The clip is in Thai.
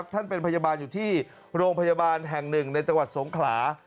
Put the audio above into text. ท่านเป็นพยาบาลอยู่ที่โรงพยาบาลแห่งหนึ่งในจังหวัดสงขลา